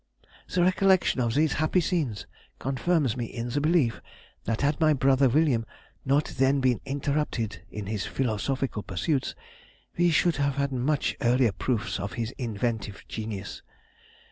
"The recollection of these happy scenes confirms me in the belief, that had my brother William not then been interrupted in his philosophical pursuits, we should have had much earlier proofs of his inventive genius.